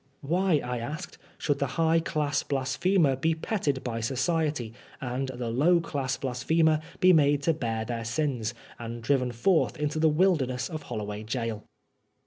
Why, I asked, should the high class blasphemer be petted by society, and the low class blasphemer be made to bear their sins, and driven forth into the wilderness of HoUoway Gaol